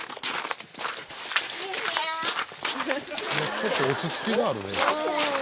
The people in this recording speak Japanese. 「ちょっと落ち着きがあるね」